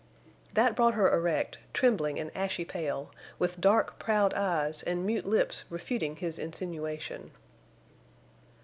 That brought her erect, trembling and ashy pale, with dark, proud eyes and mute lips refuting his insinuation.